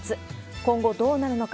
今後どうなるのか。